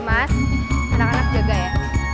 mas anak anak jaga ya